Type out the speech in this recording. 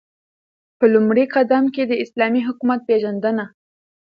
په لومړی قدم كې داسلامي حكومت پيژندنه